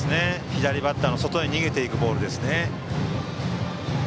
左バッターの外に逃げていくボールですね。